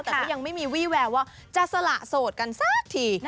แต่ก็ยังไม่มีวี่แววว่าจะสละโสดกันสักที